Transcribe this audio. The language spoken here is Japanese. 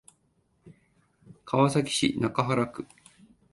川崎市中原区